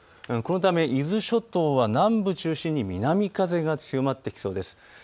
このため伊豆諸島は南部を中心に南風が強まってきそうです。